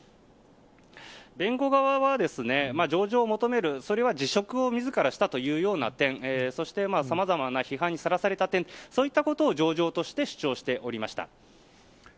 弁護側は、情状を求めるそれは辞職を自らしたという点そして、さまざまな批判にさらされた点そういったことを情状として主張していました。